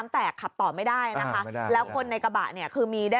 ว่าเดี๋ยวรูปกรุงหรือเปล่า